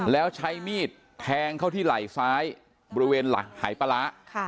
แล้วใช้มีดแทงเข้าที่ไหล่ซ้ายบริเวณหลังหายปลาร้า